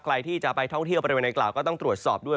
ใครที่จะไปท่องเที่ยวบริเวณอังกล่าวก็ต้องตรวจสอบด้วย